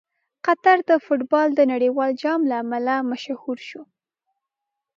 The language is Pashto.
قطر د فټبال د نړیوال جام له امله مشهور شو.